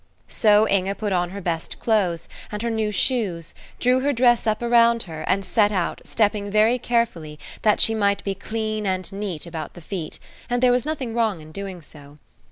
So Inge put on her best clothes, and her new shoes, drew her dress up around her, and set out, stepping very carefully, that she might be clean and neat about the feet, and there was nothing wrong in doing so.